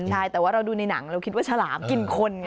จริงได้แต่ว่าเราดูในหนังเราคิดว่าฉลามกินคน